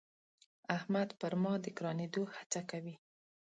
احمد پر ما د ګرانېدو هڅه کوي.